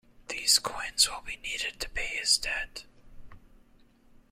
These coins will be needed to pay his debt.